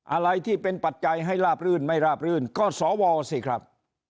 อะไรที่เป็นปัจจัยให้ลาบรื่นไม่ราบรื่นก็สวสิครับ